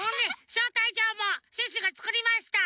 しょうたいじょうもシュッシュがつくりました。